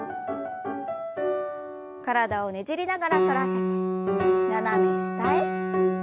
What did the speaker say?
体をねじりながら反らせて斜め下へ。